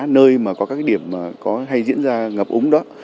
nơi mà có các điểm hay diễn ra ngập úng đó